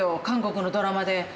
韓国のドラマで。